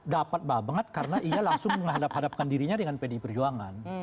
dapat banget karena ia langsung menghadap hadapkan dirinya dengan pdi perjuangan